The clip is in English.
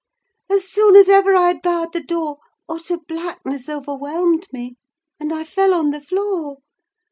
As soon as ever I had barred the door, utter blackness overwhelmed me, and I fell on the floor.